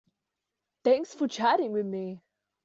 Thanks for chatting with me.